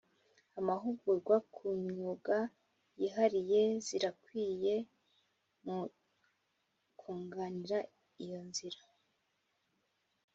amahugurwa ku myuga yihariye zirakwiye mu kunganira iyo nzira.